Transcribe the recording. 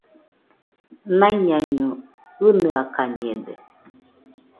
Naiñaiño ɨnɨakañede